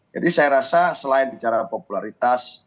jadi saya rasa selain bicara popularitas